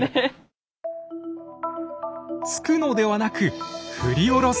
突くのではなく振り下ろす。